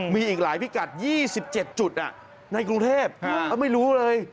มีอีกหลายพิกัด๒๗จุดในกรุงเทพไม่รู้เลย